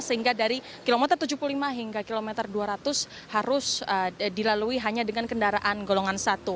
sehingga dari kilometer tujuh puluh lima hingga kilometer dua ratus harus dilalui hanya dengan kendaraan golongan satu